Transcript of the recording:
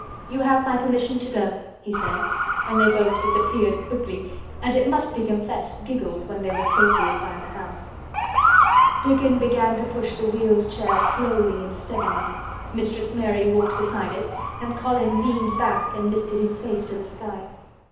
"You have my permission to go," he said, and they both disappeared quickly and it must be confessed giggled when they were safely inside the house. Dickon began to push the wheeled chair slowly and steadily. Mistress Mary walked beside it and Colin leaned back and lifted his face to the sky.